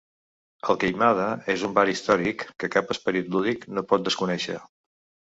El "Queimada" és un bar històric que cap esperit lúdic no pot desconèixer.